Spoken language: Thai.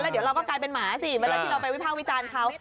เดี๋ยวเราก็กลายเป็นหมาสิเวลาที่เราไปวิภาควิจารณ์เขา